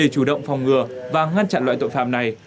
chủ động phòng ngừa và ngăn chặn loại tội phạm này